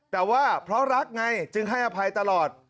แต่ว่าเพราะรักไงจึงให้อภัยตลอด